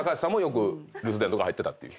留守電とか入ってたという。